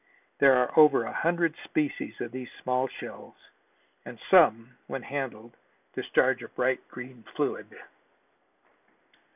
There are over a hundred species of these small shells, and some when handled discharge a bright green fluid.